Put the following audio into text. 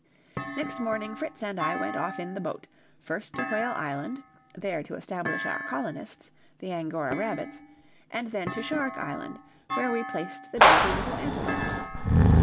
Next morning Fritz and I went off in the boat, first to Whale Island, there to establish our colonists, the Angora rabbits, and then to Shark Island, where we placed the dainty little antelopes.